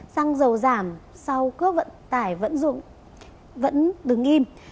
xăng dầu giảm sau cước vận tải vẫn đứng im